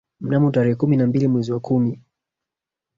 Mnamo tarehe kumi na mbili mwezi wa kumi